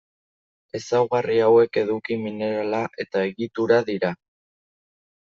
Ezaugarri hauek eduki minerala eta egitura dira.